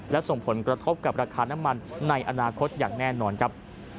และส่งผลกระทบกับราคาน้ำมันในอนาคตอย่างแน่นอนครับ